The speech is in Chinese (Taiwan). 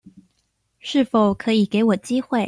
是否可以給我機會